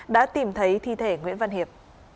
đã tìm thấy thi thể nguyễn văn hiệp